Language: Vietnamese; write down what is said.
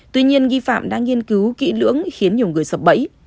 tuy nhiên nghi phạm đã nghiên cứu kỹ lưỡng khiến nhiều người sập bẫy